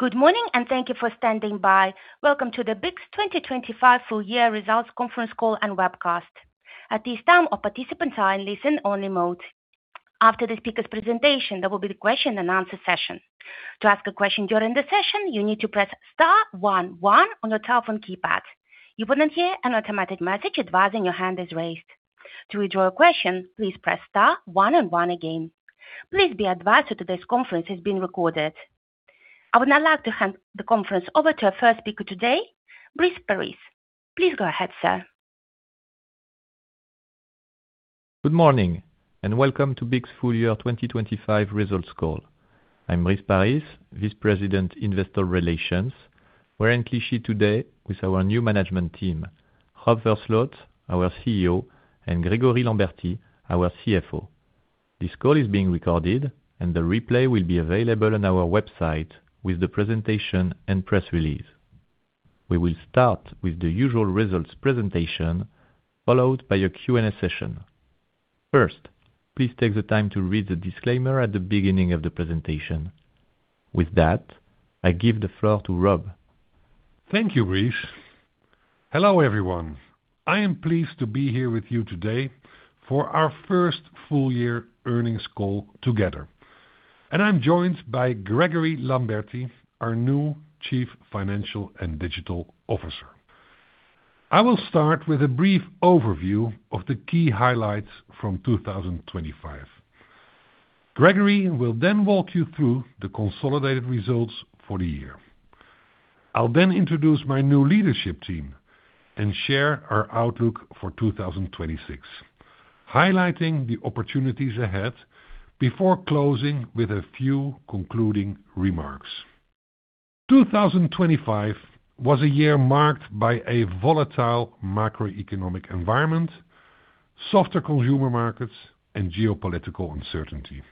Good morning, and thank you for standing by. Welcome to the BIC's 2025 full year results conference call and webcast. At this time, all participants are in listen-only mode. After the speaker's presentation, there will be a question and answer session. To ask a question during the session, you need to press star 11 on your telephone keypad. You will then hear an automatic message advising your hand is raised. To withdraw your question, please press star one and one again. Please be advised that today's conference is being recorded. I would now like to hand the conference over to our first speaker today, Brice Paris. Please go ahead, sir. Good morning, welcome to BIC's full year 2025 results call. I'm Brice Paris, Vice President, Investor Relations. We're in Clichy today with our new management team, Rob Versloot, our CEO, and Grégory Lambertie, our CFO. This call is being recorded, and the replay will be available on our website with the presentation and press release. We will start with the usual results presentation, followed by a Q&A session. First, please take the time to read the disclaimer at the beginning of the presentation. With that, I give the floor to Rob. Thank you, Brice. Hello, everyone. I am pleased to be here with you today for our first full year earnings call together, and I'm joined by Grégory Lambertie, our new Chief Financial and Digital Officer. I will start with a brief overview of the key highlights from 2025. Grégory will then walk you through the consolidated results for the year. I'll then introduce my new leadership team and share our outlook for 2026, highlighting the opportunities ahead before closing with a few concluding remarks. 2025 was a year marked by a volatile macroeconomic environment, softer consumer markets and geopolitical uncertainty.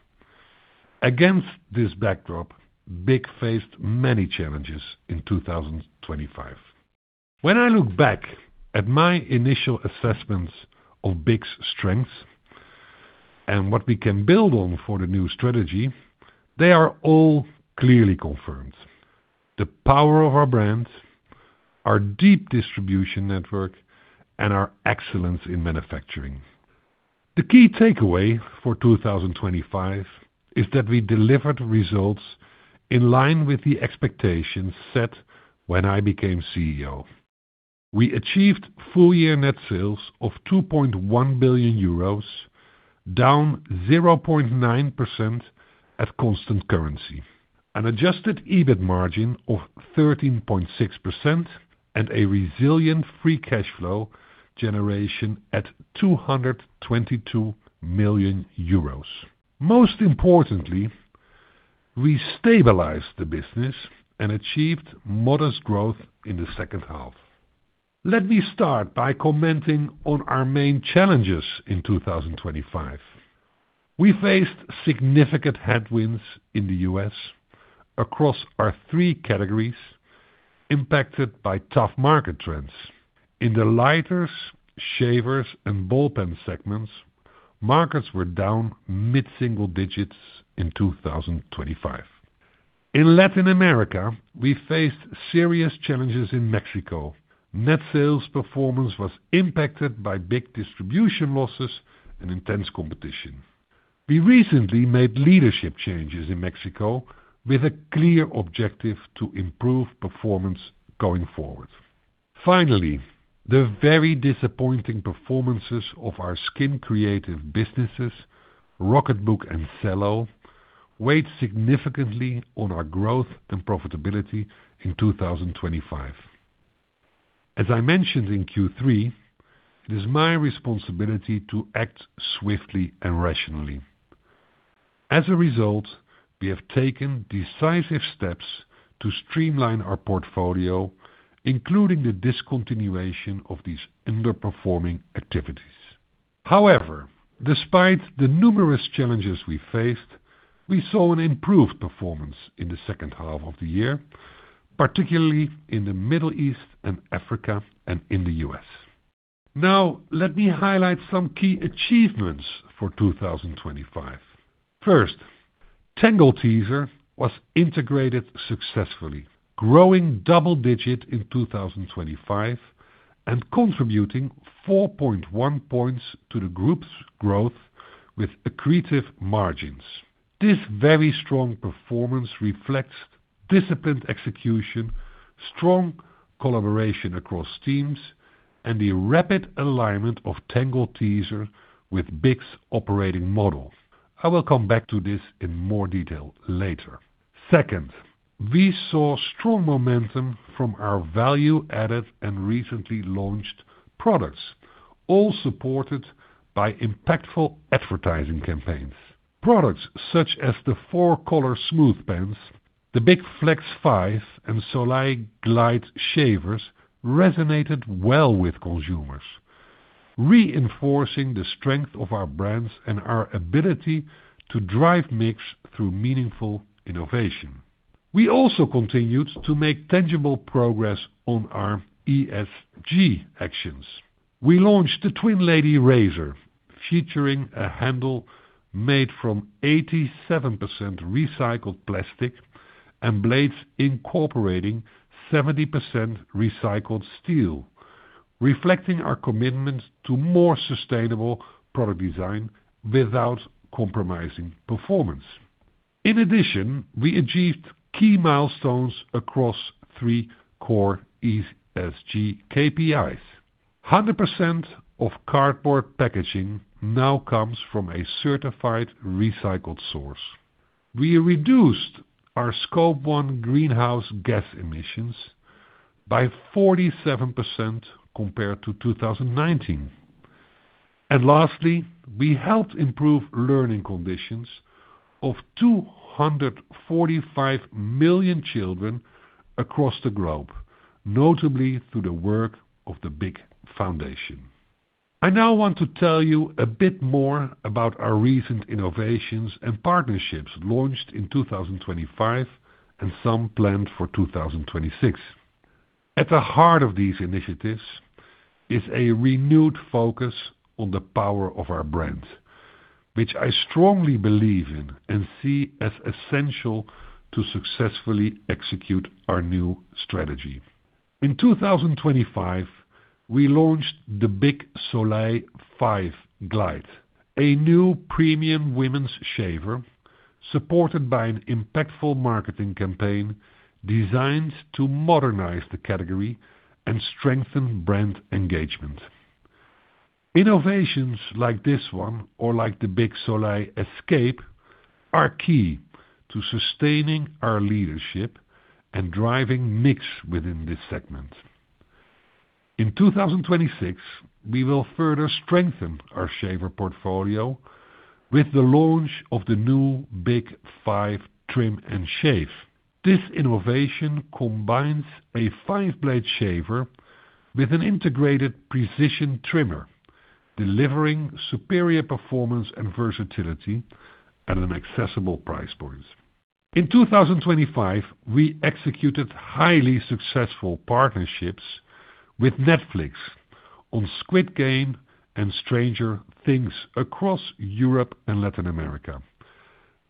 Against this backdrop, BIC faced many challenges in 2025. When I look back at my initial assessments of BIC's strengths and what we can build on for the new strategy, they are all clearly confirmed: the power of our brand, our deep distribution network, and our excellence in manufacturing. The key takeaway for 2025 is that we delivered results in line with the expectations set when I became CEO. We achieved full year net sales of EUR 2.1 billion, down 0.9% at constant currency, an Adjusted EBIT margin of 13.6%, and a resilient free cash flow generation at 222 million euros. Most importantly, we stabilized the business and achieved modest growth in the second half. Let me start by commenting on our main challenges in 2025. We faced significant headwinds in the US across our three categories, impacted by tough market trends. In the lighters, shavers, and ballpen segments, markets were down mid-single digits in 2025. In Latin America, we faced serious challenges in Mexico. Net sales performance was impacted by big distribution losses and intense competition. We recently made leadership changes in Mexico with a clear objective to improve performance going forward. Finally, the very disappointing performances of our Skin Creative businesses, Rocketbook and Cello, weighed significantly on our growth and profitability in 2025. As I mentioned in Q3, it is my responsibility to act swiftly and rationally. As a result, we have taken decisive steps to streamline our portfolio, including the discontinuation of these underperforming activities. However, despite the numerous challenges we faced, we saw an improved performance in the second half of the year, particularly in the Middle East and Africa and in the U.S. Let me highlight some key achievements for 2025. First, Tangle Teezer was integrated successfully, growing double digit in 2025 and contributing 4.1 points to the group's growth with accretive margins. This very strong performance reflects disciplined execution, strong collaboration across teams, and the rapid alignment of Tangle Teezer with BIC's operating models. I will come back to this in more detail later. Second, we saw strong momentum from our value-added and recently launched products, all supported by impactful advertising campaigns. Products such as the 4-Color Smooth pens, the BIC Flex 5, and Soleil Glide Shavers resonated well with consumers, reinforcing the strength of our brands and our ability to drive mix through meaningful innovation. We also continued to make tangible progress on our ESG actions. We launched the Twin Lady Razor, featuring a handle made from 87% recycled plastic and blades incorporating 70% recycled steel, reflecting our commitment to more sustainable product design without compromising performance. In addition, we achieved key milestones across three core ESG KPIs. 100% of cardboard packaging now comes from a certified recycled source. We reduced our Scope one greenhouse gas emissions by 47% compared to 2019. Lastly, we helped improve learning conditions of 245 million children across the globe, notably through the work of the BIC Foundation. I now want to tell you a bit more about our recent innovations and partnerships launched in 2025, and some planned for 2026. At the heart of these initiatives is a renewed focus on the power of our brand, which I strongly believe in and see as essential to successfully execute our new strategy. In 2025, we launched the BIC Soleil Five Glide, a new premium women's shaver supported by an impactful marketing campaign designed to modernize the category and strengthen brand engagement. Innovations like this one or like the BIC Soleil Escape, are key to sustaining our leadership and driving mix within this segment. In 2026, we will further strengthen our shaver portfolio with the launch of the new BIC Flex Five Trim & Shave. This innovation combines a five-blade shaver with an integrated precision trimmer, delivering superior performance and versatility at an accessible price point. In 2025, we executed highly successful partnerships with Netflix on Squid Game and Stranger Things across Europe and Latin America,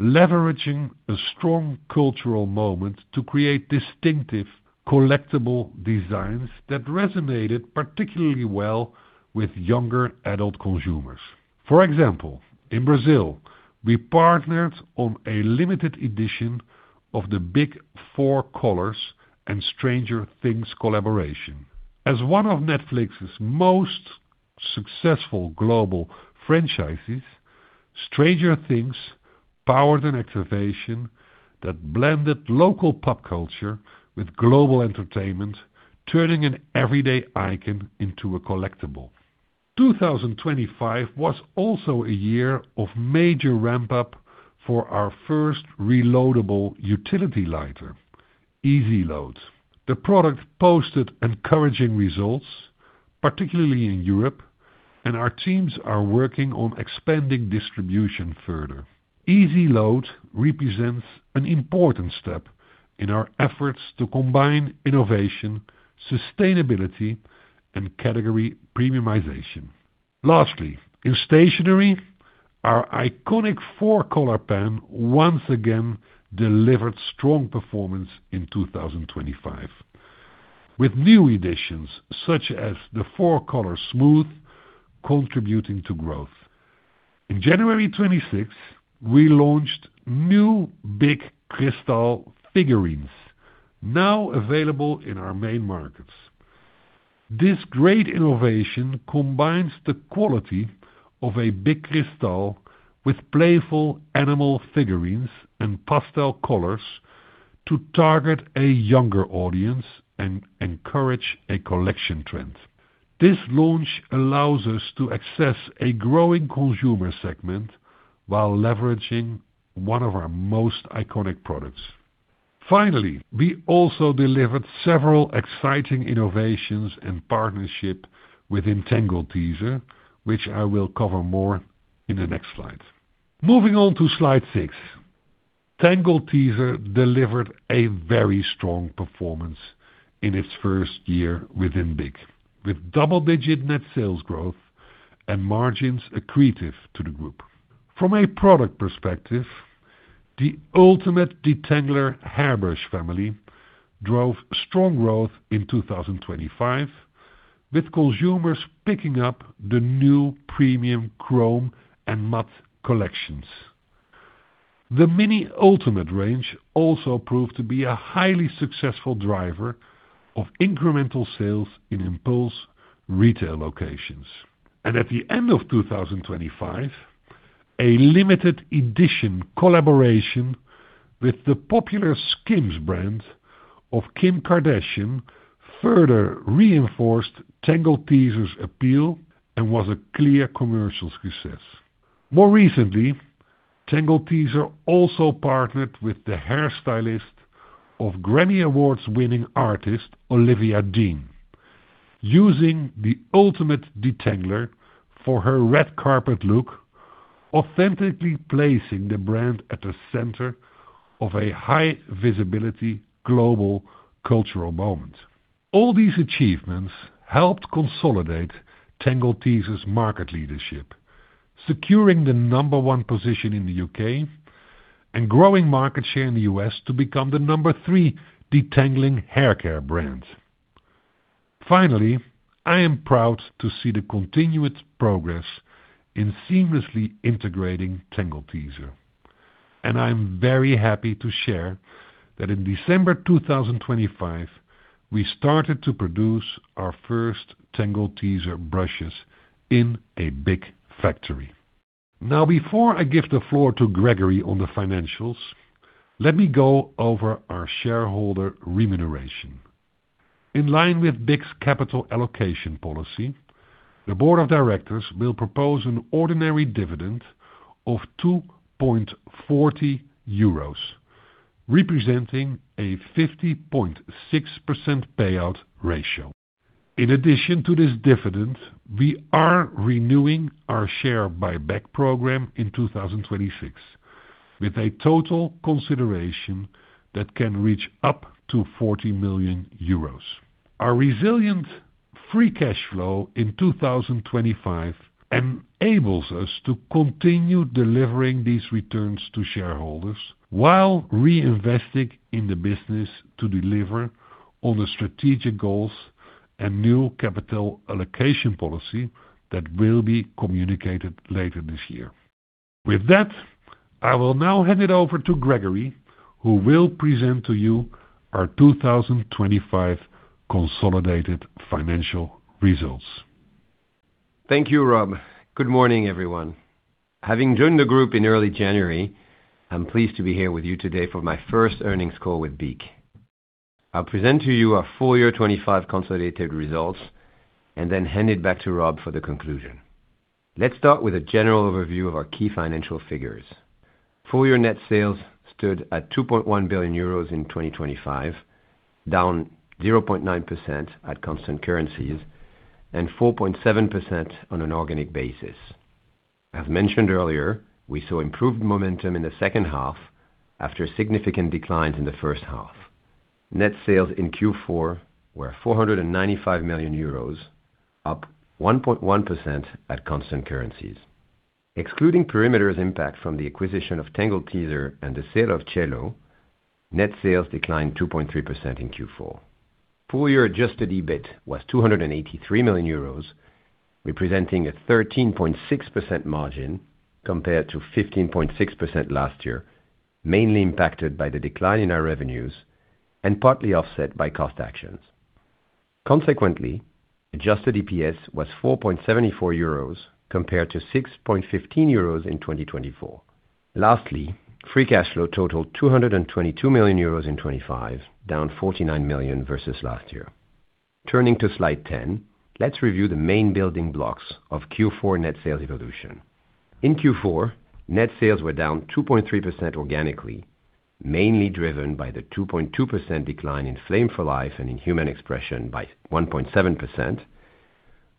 leveraging a strong cultural moment to create distinctive, collectible designs that resonated particularly well with younger adult consumers. For example, in Brazil, we partnered on a limited edition of the BIC 4-Color and Stranger Things collaboration. As one of Netflix's most successful global franchises, Stranger Things powered an activation that blended local pop culture with global entertainment, turning an everyday icon into a collectible. 2025 was also a year of major ramp-up for our first reloadable utility lighter, EasyLoad. The product posted encouraging results, particularly in Europe, and our teams are working on expanding distribution further. EasyLoad represents an important step in our efforts to combine innovation, sustainability, and category premiumization. Lastly, in stationery, our iconic 4-Color pen once again delivered strong performance in 2025, with new editions such as the 4-Color Smooth, contributing to growth. In January 26th, we launched new BIC Cristal Figurines, now available in our main markets. This great innovation combines the quality of a BIC Cristal with playful animal figurines and pastel colors to target a younger audience and encourage a collection trend. This launch allows us to access a growing consumer segment while leveraging one of our most iconic products. We also delivered several exciting innovations and partnership with Tangle Teezer, which I will cover more in the next slide. Moving on to Slide 6. Tangle Teezer delivered a very strong performance in its first year within BIC, with double-digit net sales growth and margins accretive to the group. From a product perspective, the Ultimate Detangler hairbrush family drove strong growth in 2025, with consumers picking up the new premium chrome and matte collections. The Mini Ultimate range also proved to be a highly successful driver of incremental sales in impulse retail locations. At the end of 2025, a limited edition collaboration with the popular SKIMS brand of Kim Kardashian further reinforced Tangle Teezer's appeal and was a clear commercial success. More recently, Tangle Teezer also partnered with the hairstylist of Grammy Awards-winning artist, Olivia Dean, using the Ultimate Detangler for her red carpet look, authentically placing the brand at the center of a high visibility global cultural moment. All these achievements helped consolidate Tangle Teezer's market leadership, securing the number one position in the UK, and growing market share in the US to become the number three detangling haircare brand. I am proud to see the continuous progress in seamlessly integrating Tangle Teezer, and I'm very happy to share that in December 2025, we started to produce our first Tangle Teezer brushes in a BIC factory. Before I give the floor to Grégory on the financials, let me go over our shareholder remuneration. In line with BIC's capital allocation policy, the board of directors will propose an ordinary dividend of 2.40 euros, representing a 50.6% payout ratio. In addition to this dividend, we are renewing our share buyback program in 2026, with a total consideration that can reach up to 40 million euros. Our resilient free cash flow in 2025 enables us to continue delivering these returns to shareholders while reinvesting in the business to deliver on the strategic goals and new capital allocation policy that will be communicated later this year. With that, I will now hand it over to Grégory, who will present to you our 2025 consolidated financial results. Thank you, Rob. Good morning, everyone. Having joined the group in early January, I'm pleased to be here with you today for my first earnings call with BIC. I'll present to you our full year 2025 consolidated results and then hand it back to Rob for the conclusion. Let's start with a general overview of our key financial figures. Full year net sales stood at 2.1 billion euros in 2025, down 0.9% at constant currencies and 4.7% on an organic basis. As mentioned earlier, we saw improved momentum in the second half after significant declines in the first half. Net sales in Q4 were 495 million euros, up 1.1% at constant currencies. Excluding perimeter impact from the acquisition of Tangle Teezer and the sale of Cello, net sales declined 2.3% in Q4. Full year Adjusted EBIT was 283 million euros, representing a 13.6% margin compared to 15.6% last year, mainly impacted by the decline in our revenues and partly offset by cost actions. Adjusted EPS was 4.74 euros compared to 6.15 euros in 2024. Free cash flow totaled 222 million euros in 2025, down 49 million versus last year. Turning to Slide 10, let's review the main building blocks of Q4 net sales evolution. In Q4, net sales were down 2.3% organically, mainly driven by the 2.2% decline in Flame for Life and in Human Expression by 1.7%,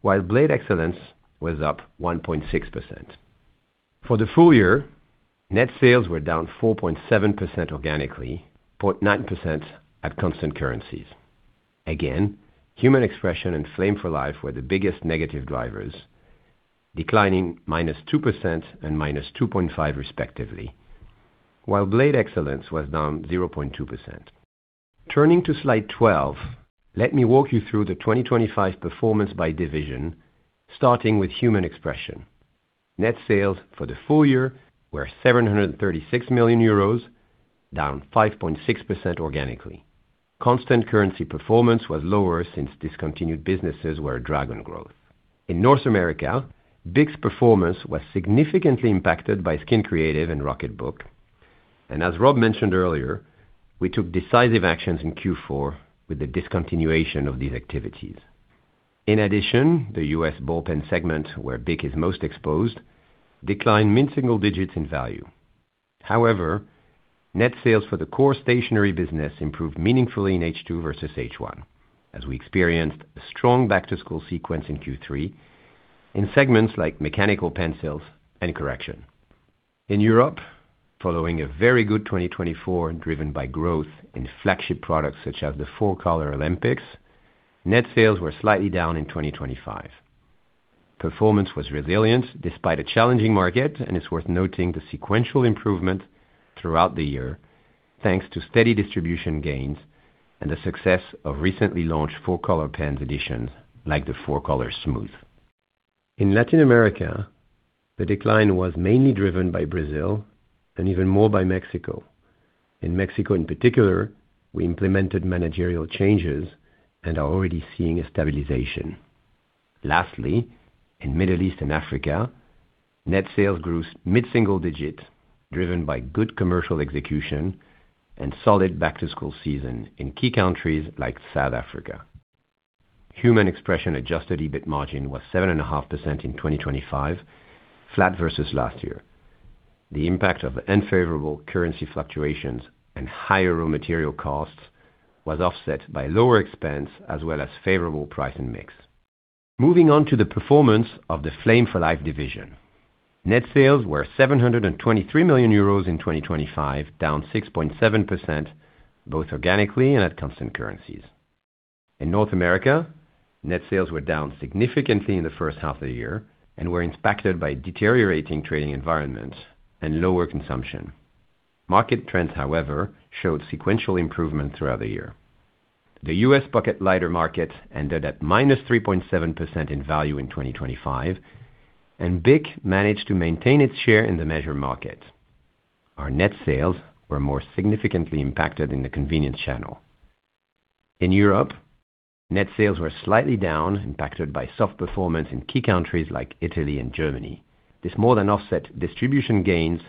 while Blade Excellence was up 1.6%. For the full year, net sales were down 4.7% organically, 0.9% at constant currencies. Human Expression and Flame for Life were the biggest negative drivers, declining -2% and -2.5% respectively, while Blade Excellence was down 0.2%. Turning to Slide 12, let me walk you through the 2025 performance by division, starting with Human Expression. Net sales for the full year were 736 million euros, down 5.6% organically. Constant currency performance was lower since discontinued businesses were a drag on growth. In North America, BIC's performance was significantly impacted by Skin Creative and Rocketbook, as Rob mentioned earlier, we took decisive actions in Q4 with the discontinuation of these activities. The U.S. ballpen segment, where BIC is most exposed, declined mid-single digits in value. However, net sales for the core stationery business improved meaningfully in H2 versus H1, as we experienced a strong back-to-school sequence in Q3 in segments like mechanical pencils and correction. In Europe, following a very good 2024, driven by growth in flagship products such as the 4-Color Olympics, net sales were slightly down in 2025. Performance was resilient despite a challenging market, and it's worth noting the sequential improvement throughout the year, thanks to steady distribution gains and the success of recently launched 4-Color Pens editions like the 4-Color Smooth. In Latin America, the decline was mainly driven by Brazil and even more by Mexico. In Mexico in particular, we implemented managerial changes and are already seeing a stabilization. In Middle East and Africa, net sales grew mid-single digit, driven by good commercial execution and solid back-to-school season in key countries like South Africa. Human Expression Adjusted EBIT margin was 7.5% in 2025, flat versus last year. The impact of unfavorable currency fluctuations and higher raw material costs was offset by lower expense as well as favorable price and mix. Moving on to the performance of the Flame for Life division. Net sales were 723 million euros in 2025, down 6.7%, both organically and at constant currencies. In North America, net sales were down significantly in the first half of the year and were impacted by deteriorating trading environments and lower consumption. Market trends, however, showed sequential improvement throughout the year. The U.S. bucket lighter market ended at -3.7% in value in 2025, and BIC managed to maintain its share in the measured market. Our net sales were more significantly impacted in the convenience channel. In Europe, net sales were slightly down, impacted by soft performance in key countries like Italy and Germany. This more than offset distribution gains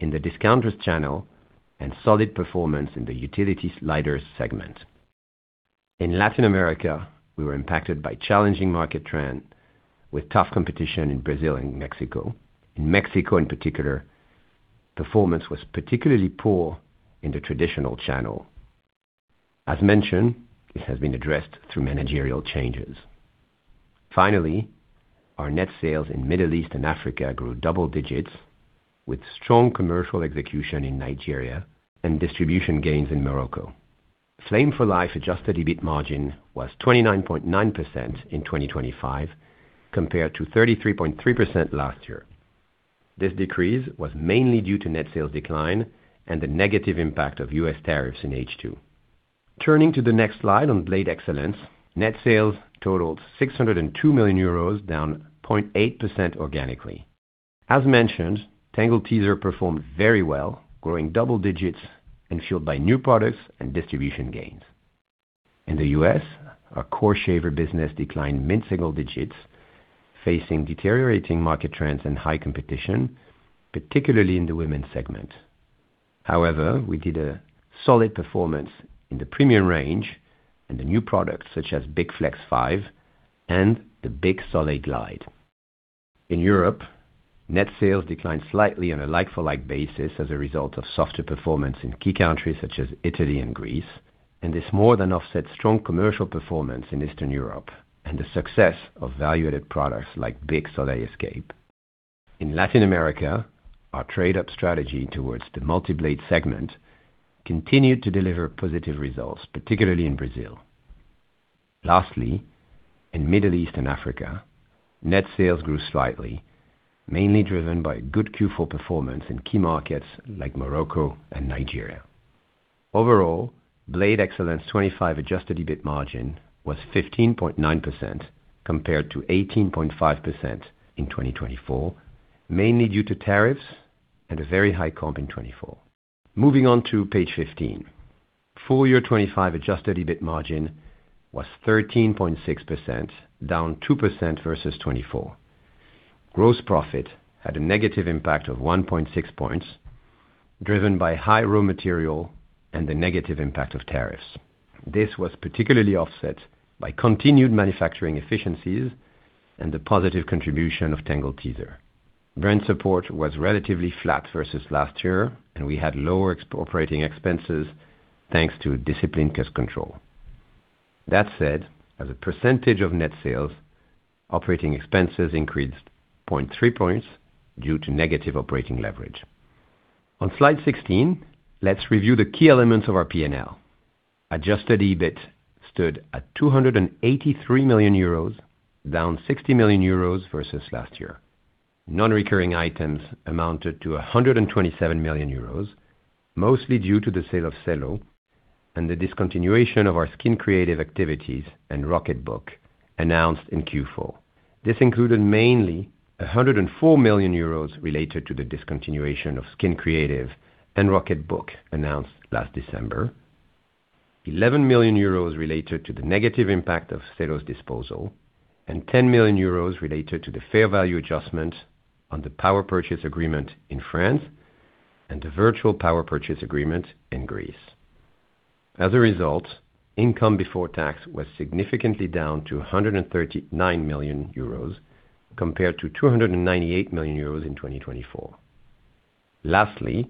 in the discounters channel and solid performance in the utility lighters segment. In Latin America, we were impacted by challenging market trend with tough competition in Brazil and Mexico. In Mexico, in particular, performance was particularly poor in the traditional channel. As mentioned, this has been addressed through managerial changes. Our net sales in Middle East and Africa grew double digits, with strong commercial execution in Nigeria and distribution gains in Morocco. Flame for Life Adjusted EBIT margin was 29.9% in 2025, compared to 33.3% last year. This decrease was mainly due to net sales decline and the negative impact of US tariffs in H2. Turning to the next slide on Blade Excellence. Net sales totaled 602 million euros, down 0.8% organically. As mentioned, Tangle Teezer performed very well, growing double digits and fueled by new products and distribution gains. In the US, our core shaver business declined mid-single digits, facing deteriorating market trends and high competition, particularly in the women's segment. However, we did a solid performance in the premium range and the new products such as BIC Flex five and the BIC Soleil Glide. In Europe, net sales declined slightly on a like-for-like basis as a result of softer performance in key countries such as Italy and Greece. This more than offset strong commercial performance in Eastern Europe and the success of value-added products like BIC Soleil Escape. In Latin America, our trade-up strategy towards the multi-blade segment continued to deliver positive results, particularly in Brazil. Lastly, in Middle East and Africa, net sales grew slightly, mainly driven by good Q4 performance in key markets like Morocco and Nigeria. Overall, Blade Excellence 2025 Adjusted EBIT margin was 15.9% compared to 18.5% in 2024, mainly due to tariffs and a very high comp in 2024. Moving on to page 15. Full year 2025 Adjusted EBIT margin was 13.6%, down 2% versus 2024. Gross profit had a negative impact of 1.6 points, driven by high raw material and the negative impact of tariffs. This was particularly offset by continued manufacturing efficiencies and the positive contribution of Tangle Teezer. Brand support was relatively flat versus last year, and we had lower OpEx, thanks to disciplined cost control. That said, as a percentage of net sales, operating expenses increased 0.3 points due to negative operating leverage. On slide 16, let's review the key elements of our P&L. Adjusted EBIT stood at 283 million euros, down 60 million euros versus last year. Non-recurring items amounted to 127 million euros, mostly due to the sale of Cello and the discontinuation of our Skin Creative activities and Rocketbook announced in Q4. This included mainly 104 million euros related to the discontinuation of Skin Creative and Rocketbook, announced last December. 11 million euros related to the negative impact of Cello's disposal, and 10 million euros related to the fair value adjustment on the Power Purchase Agreement in France and the Virtual Power Purchase Agreement in Greece. As a result, income before tax was significantly down to 139 million euros compared to 298 million euros in 2024. Lastly,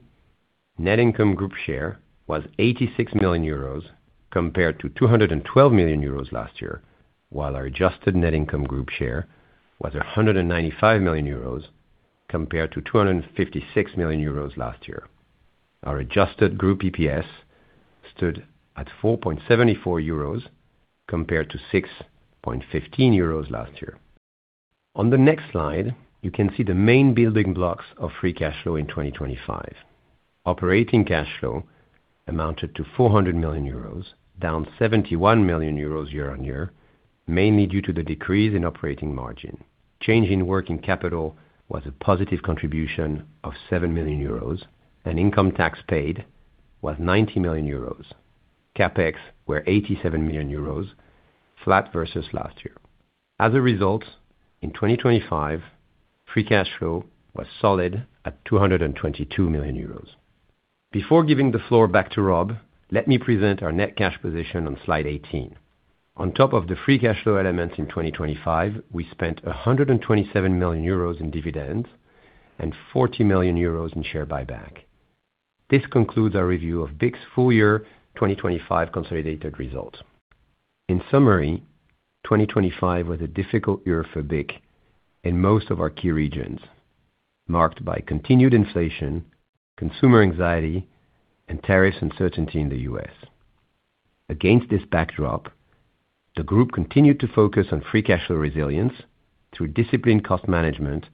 net income group share was 86 million euros, compared to 212 million euros last year, while our Adjusted Net Income Group share was 195 million euros, compared to 256 million euros last year. Our Adjusted group EPS stood at 4.74 euros, compared to 6.15 euros last year. On the next slide, you can see the main building blocks of free cash flow in 2025. Operating cash flow amounted to 400 million euros, down 71 million euros year-on-year, mainly due to the decrease in operating margin. Change in working capital was a positive contribution of 7 million euros, and income tax paid was 90 million euros. CapEx were 87 million euros, flat versus last year. In 2025, free cash flow was solid at 222 million euros. Before giving the floor back to Rob, let me present our net cash position on slide 18. On top of the free cash flow elements in 2025, we spent 127 million euros in dividends and 40 million euros in share buyback. This concludes our review of BIC's full year, 2025 consolidated results. In summary, 2025 was a difficult year for BIC in most of our key regions, marked by continued inflation, consumer anxiety, and tariff uncertainty in the US. Against this backdrop, the group continued to focus on free cash flow resilience through disciplined cost management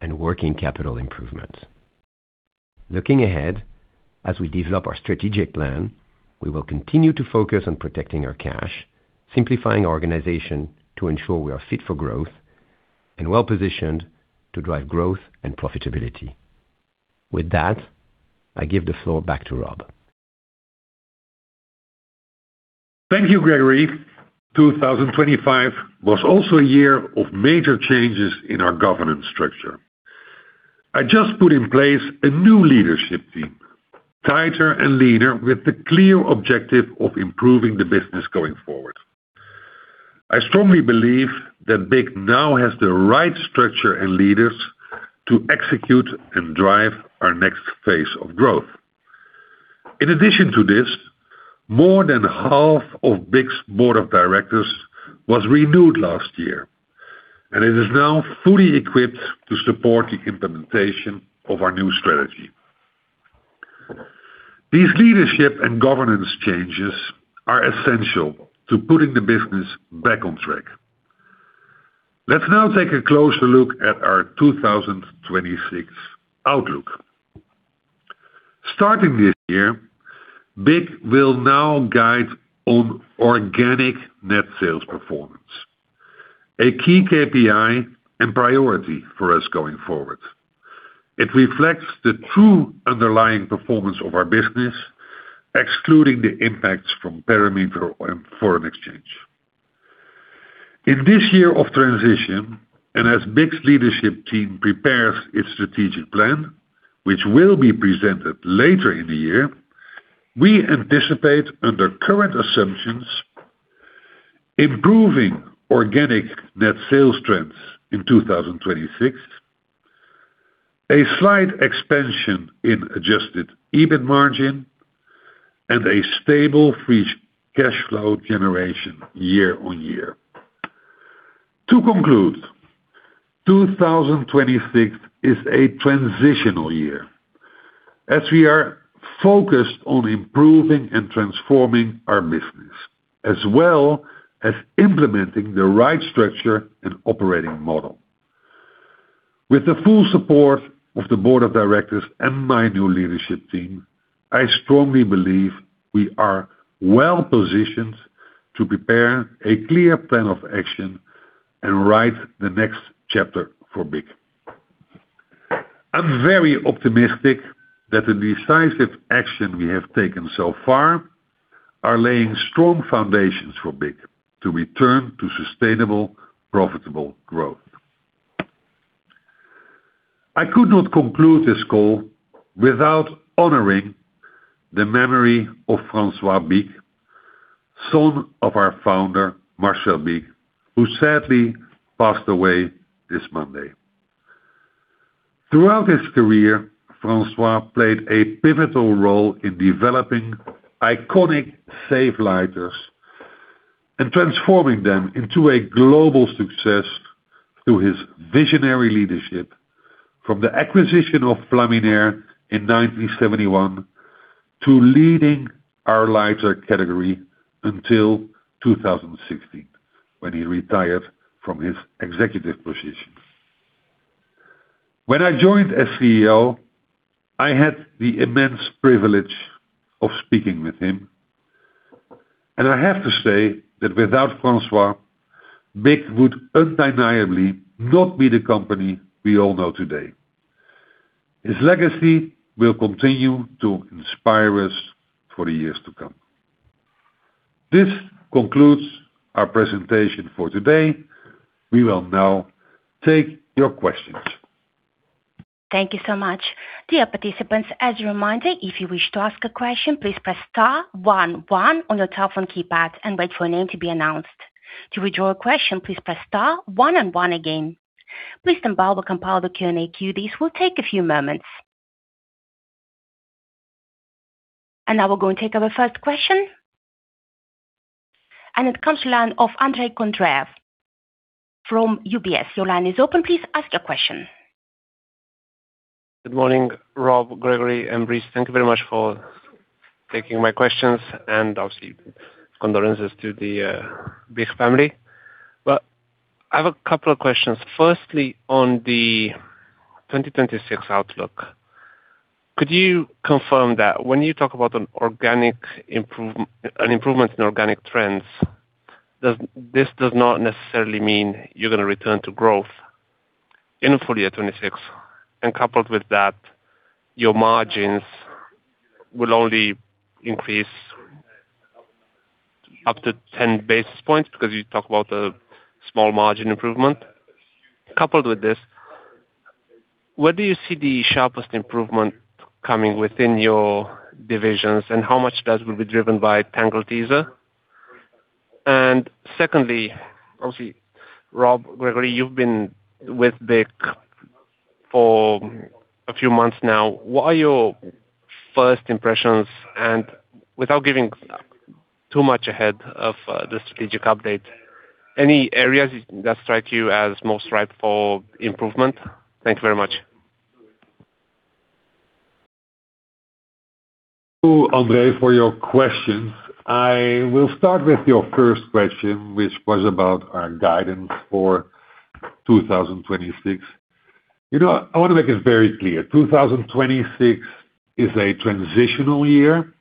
and working capital improvements. Looking ahead, as we develop our strategic plan, we will continue to focus on protecting our cash, simplifying our organization to ensure we are fit for growth and well-positioned to drive growth and profitability. With that, I give the floor back to Rob. Thank you, Grégory. 2025 was also a year of major changes in our governance structure. I just put in place a new leadership team, tighter and leaner, with the clear objective of improving the business going forward. I strongly believe that BIC now has the right structure and leaders to execute and drive our next phase of growth. In addition to this, more than half of BIC's board of directors was renewed last year, and it is now fully equipped to support the implementation of our new strategy. These leadership and governance changes are essential to putting the business back on track. Let's now take a closer look at our 2026 outlook. Starting this year, BIC will now guide on organic net sales performance, a key KPI and priority for us going forward. It reflects the true underlying performance of our business, excluding the impacts from perimeter and foreign exchange. In this year of transition, and as BIC's leadership team prepares its strategic plan, which will be presented later in the year, we anticipate, under current assumptions, improving organic net sales trends in 2026, a slight expansion in Adjusted EBIT margin, and a stable free cash flow generation year-on-year. To conclude, 2026 is a transitional year as we are focused on improving and transforming our business, as well as implementing the right structure and operating model. With the full support of the board of directors and my new leadership team, I strongly believe we are well positioned to prepare a clear plan of action and write the next chapter for BIC. I'm very optimistic that the decisive action we have taken so far are laying strong foundations for BIC to return to sustainable, profitable growth. I could not conclude this call without honoring the memory of François Bich, son of our founder, Marcel Bich, who sadly passed away this Monday. Throughout his career, François played a pivotal role in developing iconic safe lighters and transforming them into a global success through his visionary leadership. From the acquisition of Flaminaire in 1971 to leading our lighter category until 2016, when he retired from his executive positions. When I joined as CEO, I had the immense privilege of speaking with him, and I have to say that without François, BIC would undeniably not be the company we all know today. His legacy will continue to inspire us for the years to come. This concludes our presentation for today. We will now take your questions. Thank you so much. Dear participants, as a reminder, if you wish to ask a question, please press star one one on your telephone keypad and wait for your name to be announced. To withdraw a question, please press star one and one again. Please stand by while we compile the Q&A queue. This will take a few moments. Now we're going to take our first question. It comes to line of Andrei Condrea from UBS. Your line is open. Please ask your question. Good morning, Rob, Gregory, and Brice. Thank you very much for taking my questions and obviously condolences to the BIC family. I have a couple of questions. Firstly, on the 2026 outlook, could you confirm that when you talk about an improvement in organic trends, this does not necessarily mean you're going to return to growth in the full year 26, and coupled with that, your margins will only increase slightly? Up to 10 basis points, because you talk about a small margin improvement. Coupled with this, where do you see the sharpest improvement coming within your divisions, and how much does will be driven by Tangle Teezer? Secondly, obviously, Rob Gregory, you've been with BIC for a few months now. What are your first impressions? Without giving too much ahead of the strategic update, any areas that strike you as most ripe for improvement? Thank you very much. Thank you, Andrei, for your questions. I will start with your first question, which was about our guidance for 2026. You know, I want to make this very clear. 2026 is a transitional year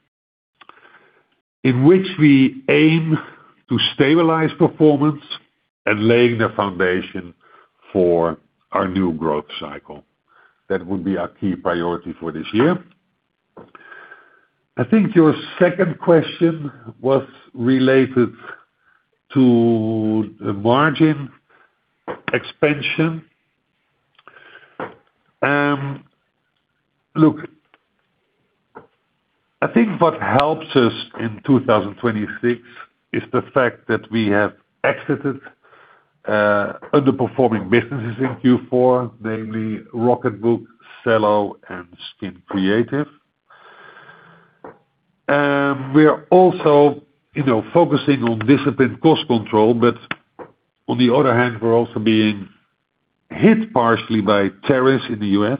in which we aim to stabilize performance and laying the foundation for our new growth cycle. That would be our key priority for this year. I think your second question was related to the margin expansion. Look, I think what helps us in 2026 is the fact that we have exited underperforming businesses in Q4, namely Rocketbook, Cello and Skin Creative. We are also, you know, focusing on disciplined cost control, but on the other hand, we're also being hit partially by tariffs in the U.S.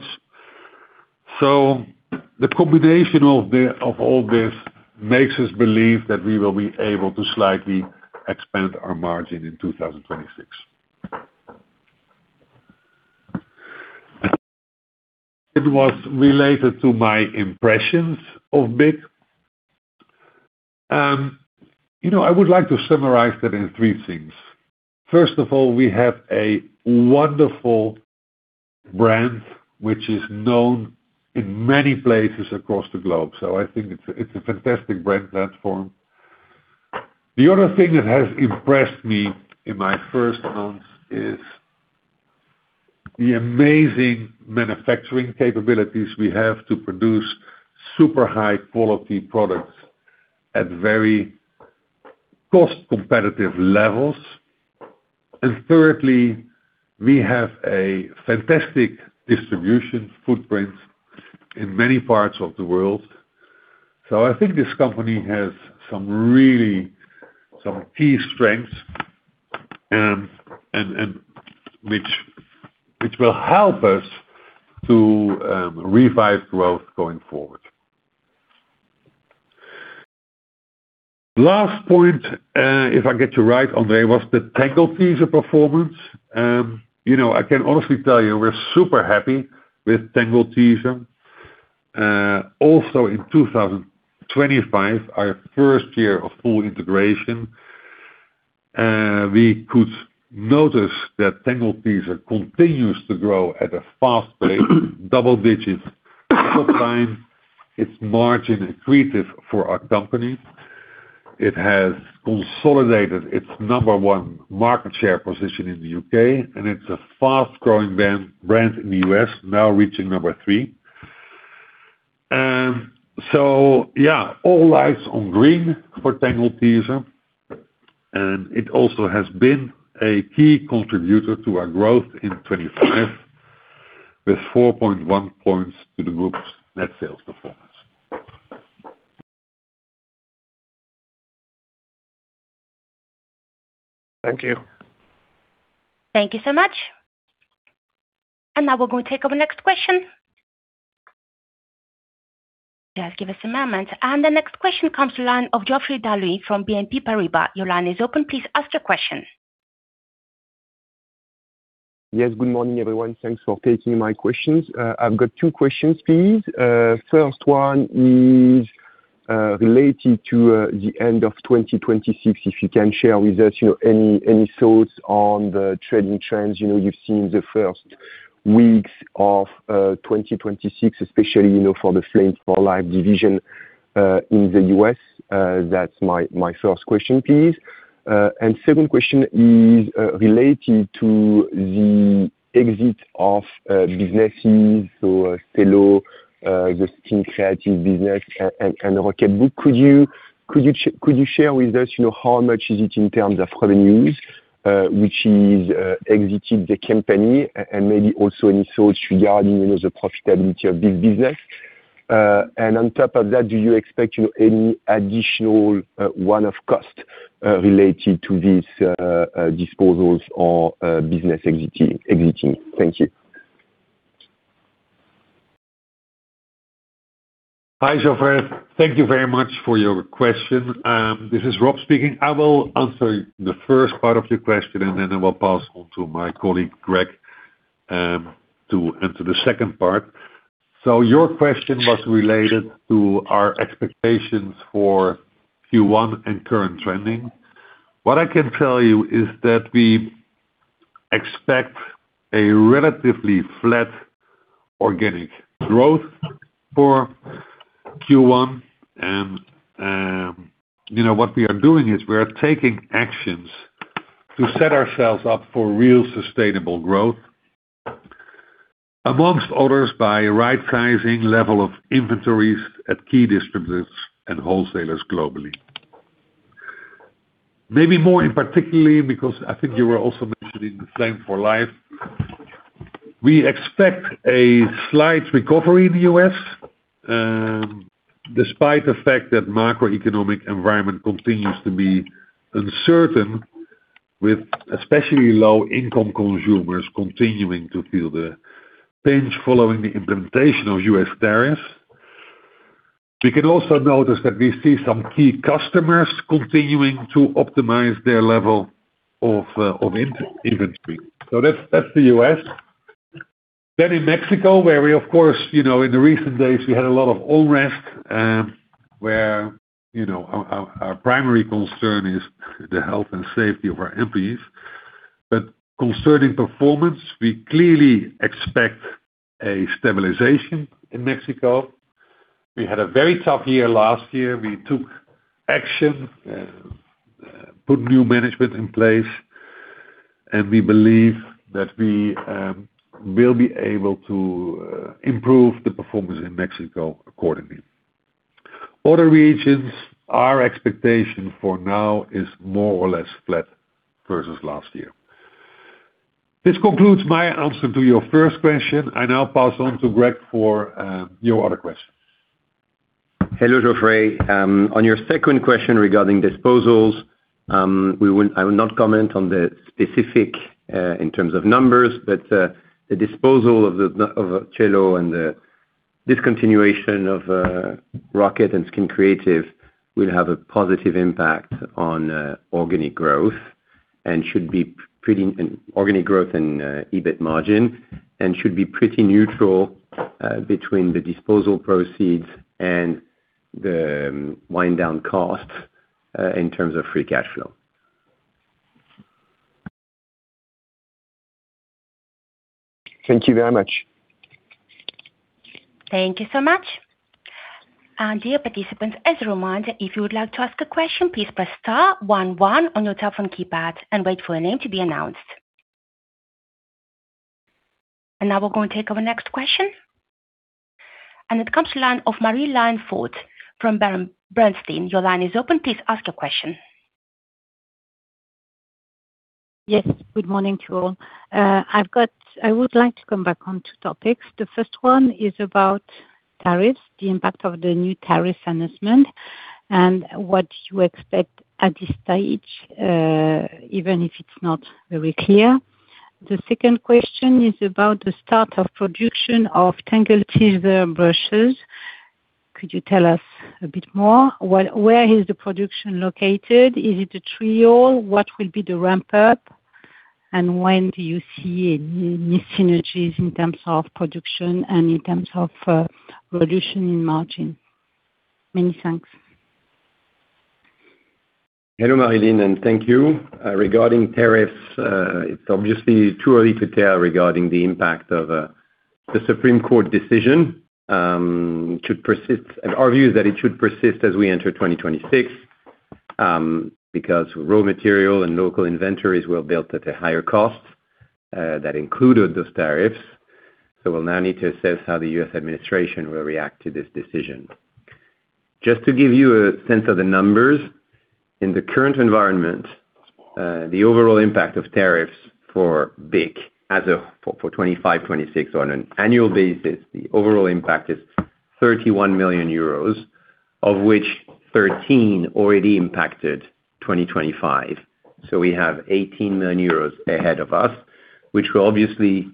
The combination of all this makes us believe that we will be able to slightly expand our margin in 2026. It was related to my impressions of BIC. You know, I would like to summarize that in three things. First of all, we have a wonderful brand, which is known in many places across the globe, I think it's a fantastic brand platform. The other thing that has impressed me in my first months is the amazing manufacturing capabilities we have to produce super high quality products at very cost competitive levels. Thirdly, we have a fantastic distribution footprint in many parts of the world. I think this company has some key strengths, and which will help us to revive growth going forward. Last point, if I get you right, Andre, was the Tangle Teezer performance. You know, I can honestly tell you, we're super happy with Tangle Teezer. Also in 2025, our first year of full integration, we could notice that Tangle Teezer continues to grow at a fast pace, double digits, top line, its margin accretive for our company. It has consolidated its number one market share position in the UK, and it's a fast-growing brand in the US, now reaching number three. Yeah, all lights on green for Tangle Teezer, and it also has been a key contributor to our growth in 2025, with 4.1 points to the group's net sales performance. Thank you. Thank you so much. Now we're going to take our next question. Just give us a moment. The next question comes the line of Geoffroy d'Halluin from BNP Paribas. Your line is open. Please ask your question. Yes, good morning, everyone. Thanks for taking my questions. I've got two questions, please. First one is related to the end of 2026. If you can share with us, you know, any thoughts on the trading trends, you know, you've seen the first weeks of 2026, especially, you know, for the Flame for Life division in the U.S. That's my first question, please. Second question is related to the exit of businesses, Cello, the Skin Creative business, and Rocketbook. Could you share with us, you know, how much is it in terms of revenues which is exited the company? Maybe also any thoughts regarding, you know, the profitability of this business. On top of that, do you expect, you know, any additional, one-off costs, related to these, disposals or, business exiting? Thank you. Hi, Geoffroy. Thank you very much for your question. This is Rob speaking. I will answer the first part of your question, and then I will pass on to my colleague, Grégory, to answer the second part. Your question was related to our expectations for Q1 and current trending. What I can tell you is that we expect a relatively flat organic growth for Q1. You know, what we are doing is we are taking actions to set ourselves up for real sustainable growth, amongst others, by right-sizing level of inventories at key distributors and wholesalers globally. Maybe more particularly, because I think you were also mentioning the Flame for Life. We expect a slight recovery in the U.S., despite the fact that macroeconomic environment continues to be uncertain, with especially low-income consumers continuing to feel the pinch following the implementation of U.S. tariffs. We can also notice that we see some key customers continuing to optimize their level of in-inventory. That's the U.S. In Mexico, where we of course, you know, in the recent days, we had a lot of unrest, where, you know, our primary concern is the health and safety of our employees. Concerning performance, we clearly expect a stabilization in Mexico. We had a very tough year last year. We took action, put new management in place, We believe that we will be able to improve the performance in Mexico accordingly. Other regions, our expectation for now is more or less flat versus last year. This concludes my answer to your first question. I now pass on to Grég for your other questions. Hello, Geoffroy d'Halluin. On your second question regarding disposals, I will not comment on the specific in terms of numbers, but the disposal of Cello and the discontinuation of Rocketbook and Skin Creative will have a positive impact on organic growth, in organic growth and EBIT margin, and should be pretty neutral between the disposal proceeds and the wind down costs in terms of free cash flow. Thank you very much. Thank you so much. Dear participants, as a reminder, if you would like to ask a question, please press star one one on your telephone keypad and wait for your name to be announced. Now we're going to take our next question. It comes to the line of Marie-Laure Fret from Bernstein. Your line is open. Please ask your question. Yes, good morning to you all. I would like to come back on two topics. The first one is about tariffs, the impact of the new tariff announcement, and what you expect at this stage, even if it's not very clear. The second question is about the start of production of Tangle Teezer brushes. Could you tell us a bit more? Where is the production located? Is it Atrio? What will be the ramp-up? When do you see any synergies in terms of production and in terms of reduction in margin? Many thanks. Hello, Marie-Laure, and thank you. Regarding tariffs, it's obviously too early to tell regarding the impact of the Supreme Court decision. Should persist. Our view is that it should persist as we enter 2026 because raw material and local inventories were built at a higher cost that included those tariffs. We'll now need to assess how the U.S. administration will react to this decision. Just to give you a sense of the numbers, in the current environment, the overall impact of tariffs for BIC as of for 2025, 2026, on an annual basis, the overall impact is 31 million euros, of which 13 already impacted 2025. We have 18 million euros ahead of us, which we'll obviously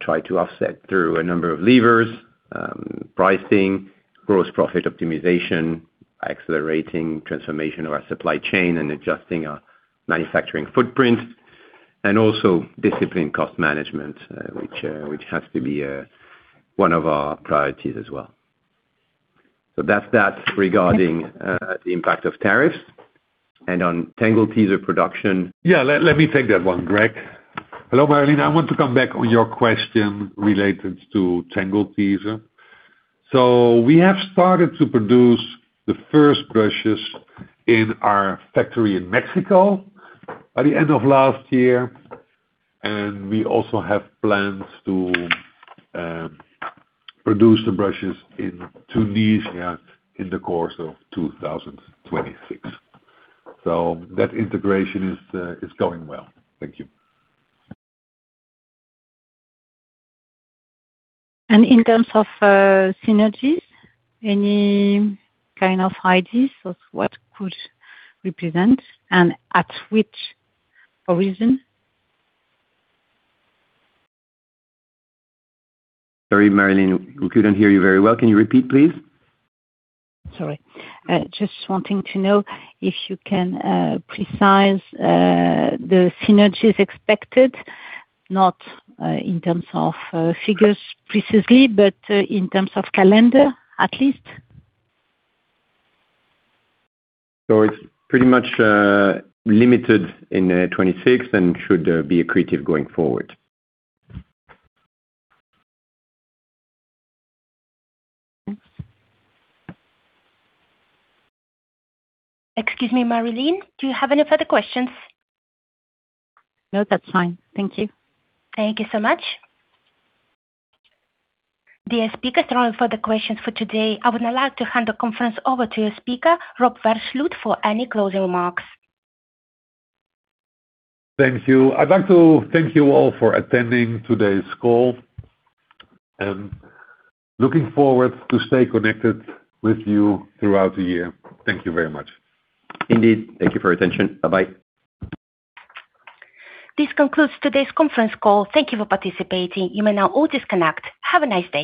try to offset through a number of levers, pricing, gross profit optimization, accelerating transformation of our supply chain and adjusting our manufacturing footprint, and also discipline cost management, which has to be one of our priorities as well. That's that regarding the impact of tariffs. On Tangle Teezer production. Let me take that one, Grég. Hello, Marie-Laure. I want to come back on your question related to Tangle Teezer. We have started to produce the first brushes in our factory in Mexico by the end of last year, and we also have plans to produce the brushes in Tunisia in the course of 2026. That integration is going well. Thank you. In terms of synergies, any kind of ideas of what could represent and at which horizon? Sorry, Marie-Laure, we couldn't hear you very well. Can you repeat, please? Sorry. Just wanting to know if you can precise the synergies expected, not in terms of figures precisely, but in terms of calendar, at least. It's pretty much limited in 26 and should be accretive going forward. Excuse me, Marie-Laure, do you have any further questions? No, that's fine. Thank you. Thank you so much. Dear speakers, there are no further questions for today. I would now like to hand the conference over to your speaker, Rob Versloot, for any closing remarks. Thank you. I'd like to thank you all for attending today's call, and looking forward to stay connected with you throughout the year. Thank you very much. Indeed. Thank you for your attention. Bye-bye. This concludes today's conference call. Thank you for participating. You may now all disconnect. Have a nice day.